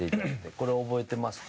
これ、覚えてますか？